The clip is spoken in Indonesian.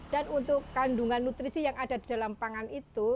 dan untuk kandungan nutrisi yang ada di dalam pangan itu